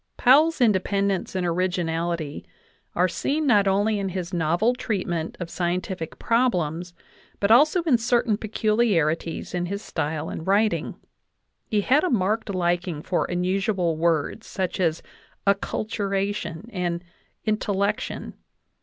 Powell's independence and originality are seen not only in his novel treatment of scientific problems, but also in certain peculiarities of his style in writing. He had a marked liking for unusual words, such as "acculturation" and "intellection."